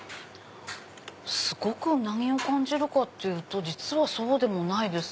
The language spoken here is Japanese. すごくウナギを感じるかっていうと実はそうでもないです。